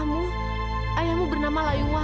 masihnya enak ya